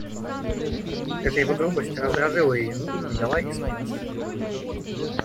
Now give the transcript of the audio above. Эта его грубость раздражила ее и придала ей смелости.